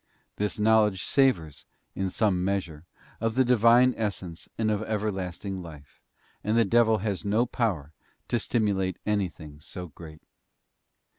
This knowledge savours, in some measure, _ of the Divine Essence and of everlasting life, and the devil has no power to simulate anything so great.